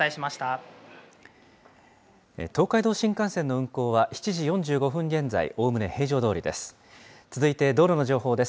東海道新幹線の運行は７時４５分現在、おおむね平常どおりです。